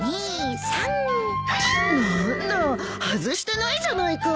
何だ外してないじゃないか。